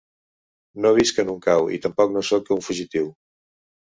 No visc en un cau i tampoc no sóc un fugitiu.